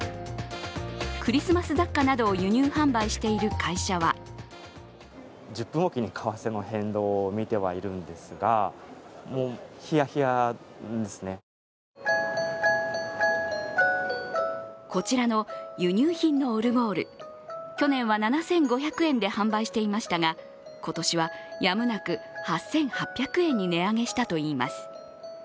クリスマス雑貨などを輸入販売している会社はこちらの輸入品のオルゴール、去年は７５００円で販売していましたが今年はやむなく８８００円に値上げしたといいます。